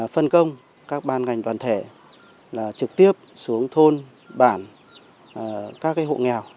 phân công các ban ngành toàn thể trực tiếp xuống thôn bản các hộ nghèo